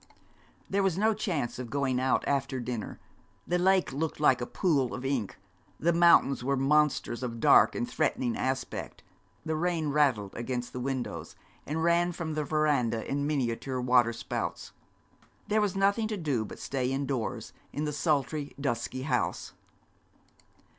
There was no chance of going out after dinner. The lake looked like a pool of ink, the mountains were monsters of dark and threatening aspect, the rain rattled against the windows, and ran from the verandah in miniature water spouts. There was nothing to do but stay in doors, in the sultry, dusky house.